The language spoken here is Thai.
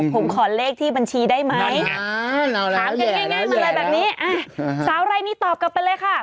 ผมขอเลขที่บัญชีได้ไหมถามกันง่ายมาเลยแบบนี้สาวรายนี้ตอบกลับไปเลยค่ะ